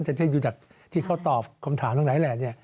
จนจะอยู่จากที่เขาตอบคำถามตรงไหนแหละ